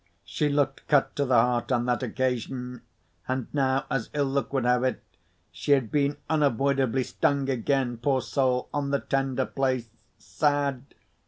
She looked cut to the heart on that occasion; and now, as ill luck would have it, she had been unavoidably stung again, poor soul, on the tender place. Sad!